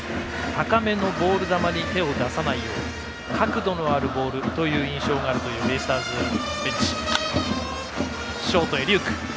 高めのボール球に手を出さないように角度のあるボールという印象があるというベイスターズベンチ。